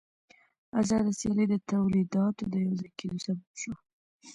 آزاده سیالي د تولیداتو د یوځای کېدو سبب شوه